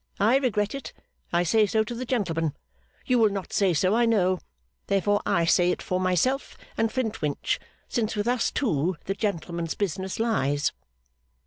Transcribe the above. I regret it. I say so to the gentleman. You will not say so, I know; therefore I say it for myself and Flintwinch, since with us two the gentleman's business lies.